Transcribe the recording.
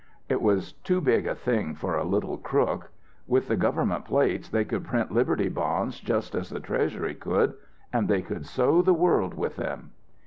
"It was too big a thing for a little crook. With the government plates they could print Liberty Bonds just as the Treasury would. And they could sow the world with them."